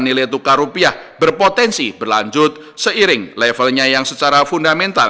nilai tukar rupiah didorong oleh peningkatan aliran masuk modal asing ke pasar keuangan domestik